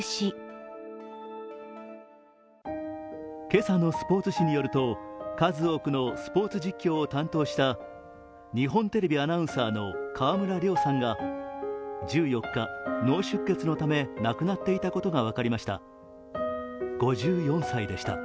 今朝のスポーツ紙によると数多くのスポーツ実況を担当した日本テレビアナウンサーの河村亮さんが１４日、脳出血のため亡くなっていたことが分かりました。